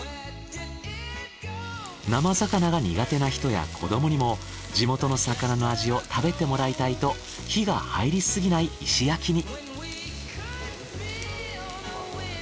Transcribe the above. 生魚が苦手な人や子どもにも地元の魚の味を食べてもらいたいと火が入りすぎない石焼に。